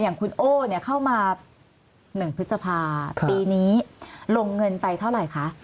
อย่างคุณโอ้เข้ามา๑พฤษภาปีนี้ลงเงินไปเท่าไหร่คะ